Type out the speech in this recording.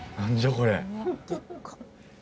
これ。